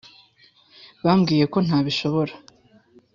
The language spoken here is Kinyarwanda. bambwiye ko ntabishobora.